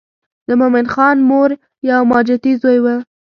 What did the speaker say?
د مومن خان مور یو ماجتي زوی و.